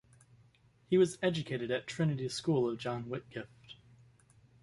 He was educated at Trinity School of John Whitgift.